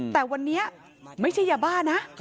แต่วันนี้ไม่ใช่ยาบ้านะ